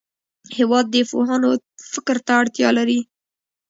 هېواد د پوهانو فکر ته اړتیا لري.